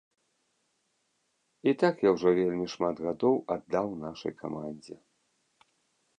І так я ўжо вельмі шмат гадоў аддаў нашай камандзе.